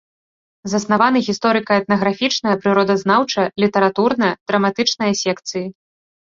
Заснаваны гісторыка-этнаграфічная, прыродазнаўчая, літаратурная, драматычная секцыі.